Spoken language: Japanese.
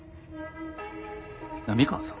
波川さん？